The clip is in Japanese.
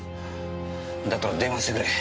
だったら電話してくれ。